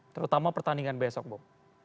terutama pertandingan besok bung